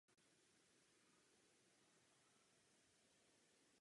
Na tomto úseku nebude vybudován ani jeden tunel.